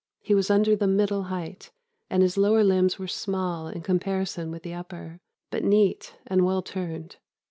He was under the middle height, and his lower limbs were small in comparison with the upper, but neat and well turned.